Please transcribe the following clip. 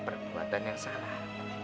perbuatan yang salah